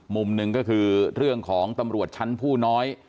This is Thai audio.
มุมหนึ่งก็คือเรื่องของตำรวจชั้นผู้น้อย